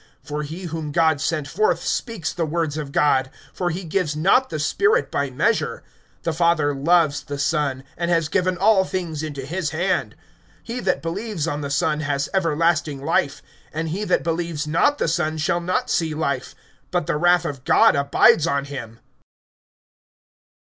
(34)For he whom God sent forth speaks the words of God; for he gives not[3:34] the Spirit by measure. (35)The Father loves the Son, and has given all things into his hand. (36)He that believes on the Son has everlasting life; and he that believes not the Son shall not see life, but the wrath of God abides on him.